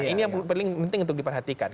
ini yang paling penting untuk diperhatikan